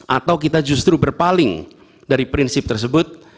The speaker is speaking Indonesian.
atau kita justru berpaling dari prinsip tersebut